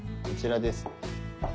こちらです。